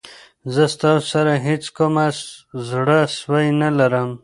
زه ستاسو سره هېڅ کوم زړه سوی نه لرم.